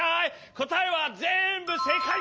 こたえはぜんぶせいかい！